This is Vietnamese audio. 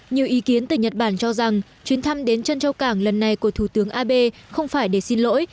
nhiều ý kiến từ nhật bản cho rằng chuyến thăm đến chân châu cảng lần này của thủ tướng abe không phải để xin lỗi